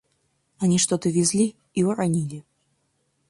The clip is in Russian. Они что-то везли и уронили.